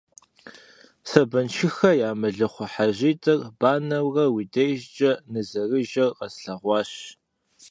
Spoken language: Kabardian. Сэбаншыхэ я мэлыхъуэ хьэжьитӀыр банэурэ уи дежкӀэ нызэрыжэр къэслъэгъуащ.